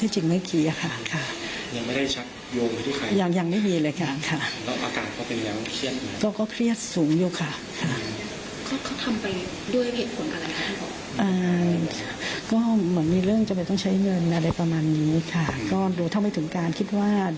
ใช้คืนได้ประมาณนี้นะคะ